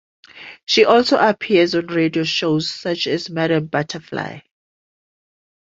She also appears on radio shows such as "Madam Butterfly".